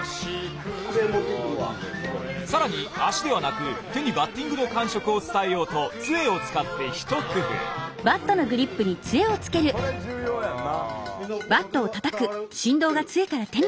更に脚ではなく手にバッティングの感触を伝えようとつえを使って一工夫これ重要やんな。